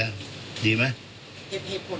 เหตุเหตุผลที่ว่าผักศักดิ์ช